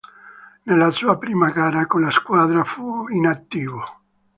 Nella sua prima gara con la squadra fu inattivo.